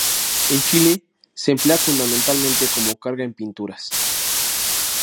En Chile se emplea fundamentalmente como carga en pinturas.